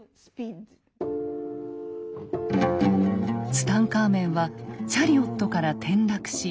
ツタンカーメンはチャリオットから転落し骨折。